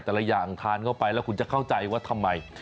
อย่างทานเข้าไปแล้วคุณจะเข้าใจว่าทำไม